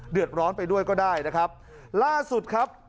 เดือดร้อนไปด้วยก็ได้นะครับล่าสุดครับ